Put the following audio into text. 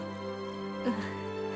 うん。